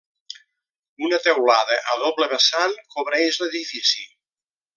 Una teulada a doble vessant cobreix l'edifici.